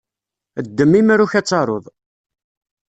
Ddem imru-k ad taruḍ.